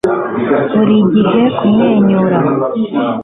buri gihe kumwenyura